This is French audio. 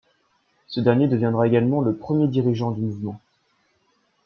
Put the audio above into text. Ce dernier deviendra également le premier dirigeant du mouvement.